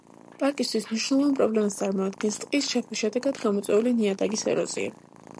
პარკისთვის მნიშვნელოვან პრობლემას წარმოადგენს ტყის ჩეხვის შედეგად გამოწვეული ნიადაგის ეროზია.